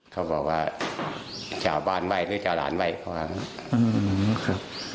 เขาบอกว่าจะเอาบ้านไว้หรือจะเอาหลานไว้เขาว่าอืมครับ